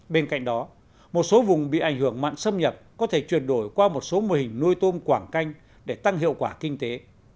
bên cạnh đó một số vùng bị ảnh hưởng mặn xâm nhập có thể chuyển đổi qua một số mô hình nuôi tôm quảng canh để tăng hiệu quả kinh tế